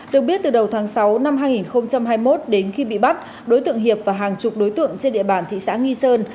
được biết từ đầu tháng sáu năm hai nghìn hai mươi một đến khi bị bắt đối tượng hiệp và hàng chục đối tượng trên địa bàn thị xã nghi sơn